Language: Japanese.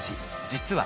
実は。